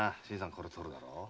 これ取るだろ。